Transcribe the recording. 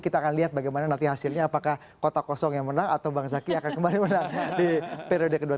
kita akan lihat bagaimana nanti hasilnya apakah kota kosong yang menang atau bang zaky akan kembali menang di periode kedua